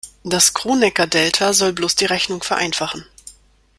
Das Kronecker-Delta soll bloß die Rechnung vereinfachen.